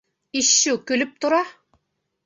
Ишшу көлөп тора!